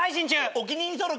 お気に入り登録。